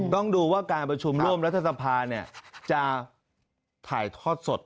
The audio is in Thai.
ต้องดูว่าการประชุมร่วมรัฐสภาจะถ่ายทอดสด